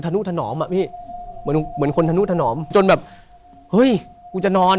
นุถนอมอ่ะพี่มันเหมือนคนธนุถนอมจนแบบเฮ้ยกูจะนอน